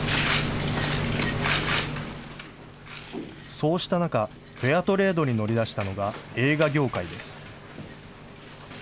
そうした中、フェアトレードに乗り出したのが映画業界です。